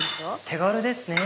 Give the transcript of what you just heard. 手軽ですね。